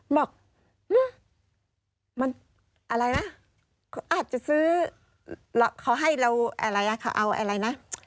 บอกมันอะไรนะเขาอาจจะซื้อเขาให้เราอะไรอ่ะเขาเอาอะไรนะ